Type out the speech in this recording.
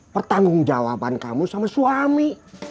pertanggung jawaban kamu sama suami